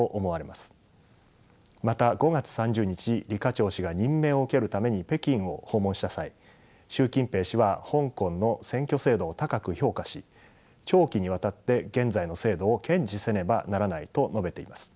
また５月３０日李家超氏が任命を受けるために北京を訪問した際習近平氏は香港の選挙制度を高く評価し長期にわたって現在の制度を堅持せねばならないと述べています。